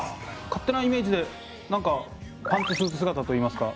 勝手なイメージでなんかパンツスーツ姿といいますか。